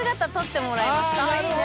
いいね。